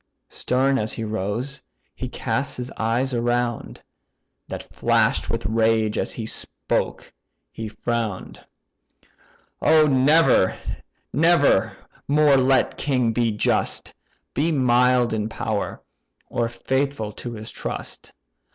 Stern as he rose, he cast his eyes around, That flash'd with rage; and as spoke, he frown'd, "O never, never more let king be just, Be mild in power, or faithful to his trust!